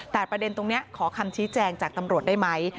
แต่ประเด็นตรงนี้ขอคำชี้แจงจากตำรวจได้ไหม